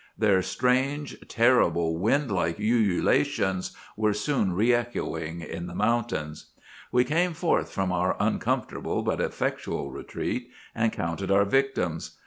Their strange, terrible, wind like ululations were soon re echoing in the mountains. "We came forth from our uncomfortable but effectual retreat, and counted our victims.